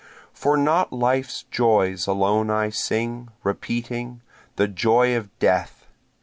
For not life's joys alone I sing, repeating the joy of death!